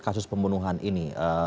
kasus pembunuhan ini